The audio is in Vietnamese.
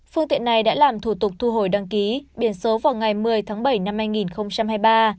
phương tiện này đã làm thủ tục thu hồi đăng ký biển số vào ngày một mươi tháng bảy năm hai nghìn hai mươi ba